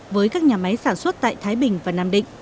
với các nhà máy sản xuất tại thái bình và nam định